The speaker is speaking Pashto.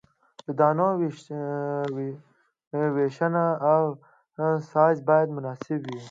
د دانو ویشنه او سایز باید مناسب وي